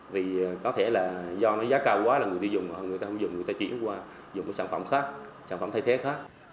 vì có thể là do nó giá cao quá là người tiêu dùng hoặc người ta không dùng người ta chuyển qua dùng cái sản phẩm khác sản phẩm thay thế khác